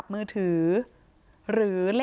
นี่แหละตรงนี้แหละ